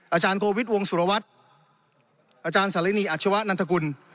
อาจารย์โกวิทย์วงสุรวัตรอาจารย์สารินีอัชวะนันทกุล